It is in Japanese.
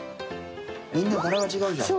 みんな柄が違うじゃん。